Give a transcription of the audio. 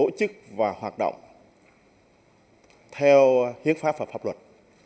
tổ chức tổ chức tổ chức và hoạt động theo hiến pháp và pháp luật